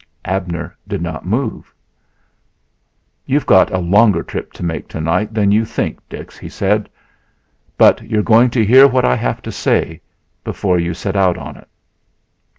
Abner did not move. "You've got a longer trip to make tonight than you think, Dix," he said; "but you're going to hear what I have to say before you set out on it."